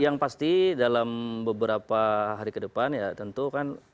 yang pasti dalam beberapa hari ke depan ya tentu kan